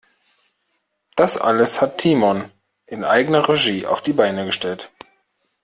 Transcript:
Das alles hat Timon in eigener Regie auf die Beine gestellt.